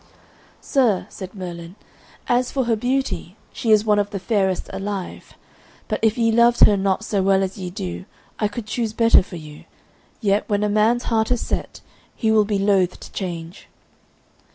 "Sir," said Merlin, "as for her beauty, she is one of the fairest alive, but if ye loved her not so well as ye do, I could choose better for you. Yet when a man's heart is set, he will be loath to change."